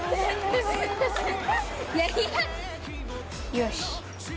よし。